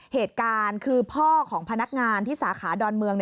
เหตุการณ์คือพ่อของพนักงานที่สาขาดอนเมือง